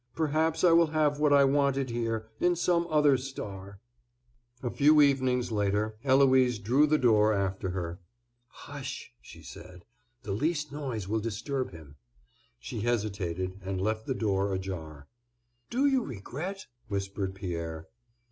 Perhaps I will have what I wanted here, in some other star." A few evenings later Eloise drew the door after her: "Hush!" she said, "the least noise will disturb him." She hesitated, and left the door ajar. "Do you regret?" whispered Pierre.